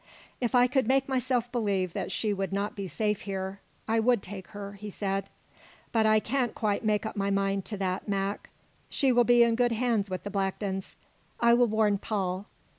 "If I could make myself believe that she would not be safe here I would take her," he said. "But I can't quite make up my mind to that, Mac. She will be in good hands with the Blacktons. I will warn Paul.